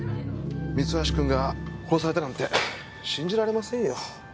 三橋くんが殺されたなんて信じられませんよ。